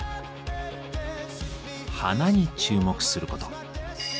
「花」に注目すること。